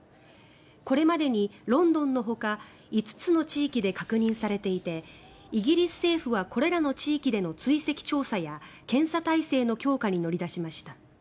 これまでにロンドンのほか５つの地域で確認されていてイギリス政府はこれらの地域での追跡調査や検査体制の強化に乗り出しました。